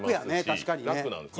確かにね。